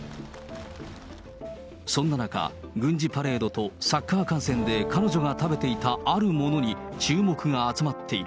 そんな中、軍事パレードとサッカー観戦で彼女が食べていたあるものに注目が集まっている。